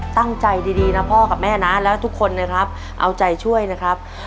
ตั้งใจดีนะพ่อกับแม่นะแล้วทุกคนนะครับเอาใจช่วยนะครับ